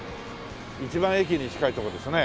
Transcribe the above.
一番駅に近いとこですね。